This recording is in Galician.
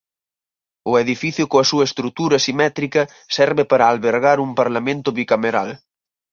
O edificio coa súa estrutura simétrica serve para albergar un parlamento bicameral.